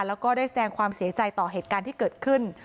แล้วก็ได้แสดงความเสียใจต่อเหตุการณ์ที่เกิดขึ้น